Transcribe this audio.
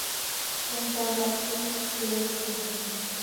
میں ان سوالات کی گرفت میں ہوں۔